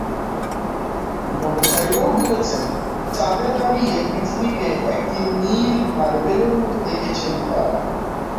নভোচারীরাও বলেছেন, চাঁদে দাঁড়িয়ে পৃথিবীকে একটি নীল মার্বেলের মতো দেখেছেন তাঁরা।